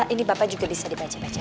ini bapak juga bisa dibaca baca